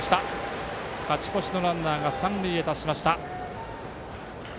勝ち越しのランナーが三塁へ達しました。